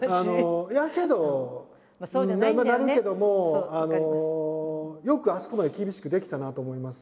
いやけどまあなるけどもよくあそこまで厳しくできたなと思います